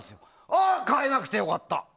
ああ、変えなくてよかった！